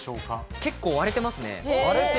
結構、割れていますね。